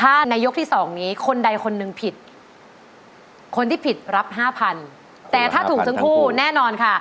ถ้าในยกที่๒นี้คนใดคนหนึ่งผิดคนที่ผิดรับ๕๐๐แต่ถ้าถูกทั้งคู่แน่นอนค่ะ